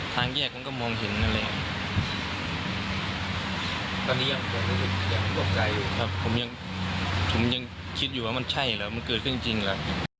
ทางแยกมันก็มองเห็นนั่นแหละ